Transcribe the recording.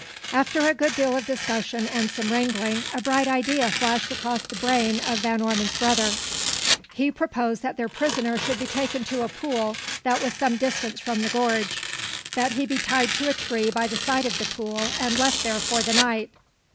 After a good deal of discussion and some wrangling, a bright idea flashed across the brain of Van Ormon's brother. He proposed that their prisoner should be taken to a pool that was some distance down the gorge; that he be tied to a tree by the side of the pool, and left there for the night.